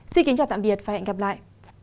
xin kính chào tạm biệt và hẹn gặp lại